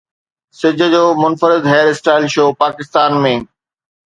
سج جو منفرد هيئر اسٽائل شو پاڪستان ۾